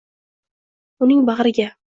Uning bag’riga.